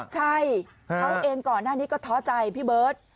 ใช่เขาเองก่อนหน้านี้ก็ท้อใจพี่เบิร์ต